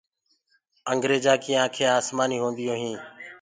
انگيرجآن ڪي آنکينٚ آسمآني هونديو هينٚ۔